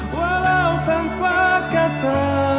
walau tanpa kata